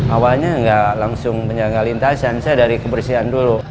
awalnya nggak langsung menjaga lintasan saya dari kebersihan dulu